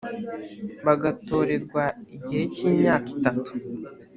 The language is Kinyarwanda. bagatorerwa igihe cy imyaka itatu